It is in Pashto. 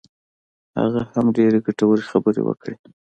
هغه هم ډېرې ګټورې خبرې وکړې.